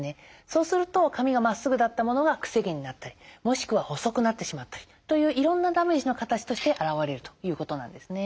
そうすると髪がまっすぐだったものが癖毛になったりもしくは細くなってしまったりといういろんなダメージの形として表れるということなんですね。